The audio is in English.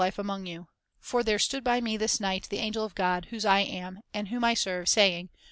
.. For there stood by me this night the angel of God, whose I am, and whom I serve, saying.